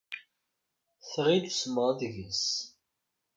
Tɣill usmeɣ deg-s.